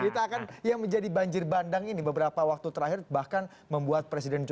kita akan yang menjadi banjir bandang ini beberapa waktu terakhir bahkan membuat presiden jokowi